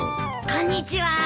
こんにちは。